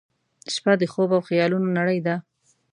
• شپه د خوب او خیالونو نړۍ ده.